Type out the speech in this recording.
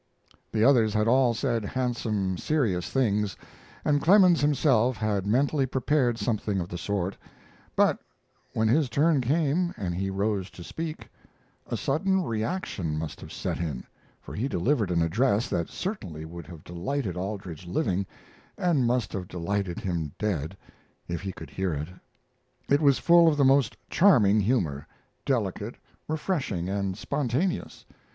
The others had all said handsome, serious things, and Clemens himself had mentally prepared something of the sort; but when his turn came, and he rose to speak, a sudden reaction must have set in, for he delivered an address that certainly would have delighted Aldrich living, and must have delighted him dead, if he could hear it. It was full of the most charming humor, delicate, refreshing, and spontaneous.